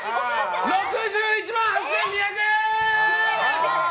６１万８２００円！